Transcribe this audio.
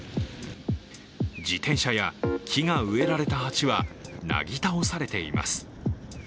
自転車や木が植えられた鉢はなぎ倒されています。